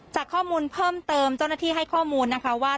จากข้อมูลเพิ่มเติมเจ้าหน้าที่ให้ข้อมูลนะคะว่า